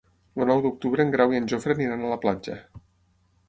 El nou d'octubre en Grau i en Jofre aniran a la platja.